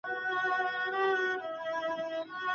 پوښتنه وکړئ چي حل چېرته دی.